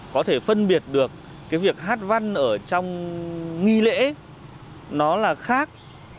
có thể phân biệt được cái việc hát văn ở trong nghi lễ nó là khác